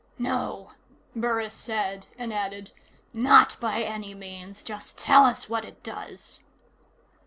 "No," Burris said, and added: "Not by any means. Just tell us what it does."